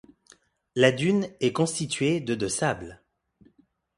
La dune est constituée de de sable.